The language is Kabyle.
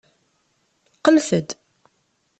Qqlet-d.